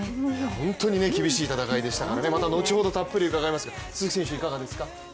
本当に厳しい戦いでしたからね後ほど伺いますが、鈴木選手はいかがですか。